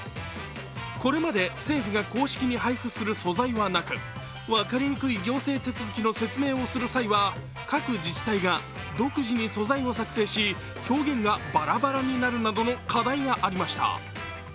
これまで政府が公式に配布する素材はなく分かりにくい行政手続きの説明をする際は各自治体が独自に素材を作成し表現がバラバラになるなどの課題がありました。